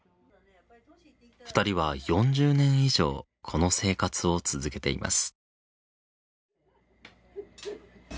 ２人は４０年以上この生活を続けています。